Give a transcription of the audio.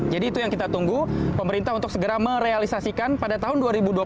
jadi itu yang kita tunggu pemerintah untuk segera merealisasikan pada tahun dua ribu dua puluh lima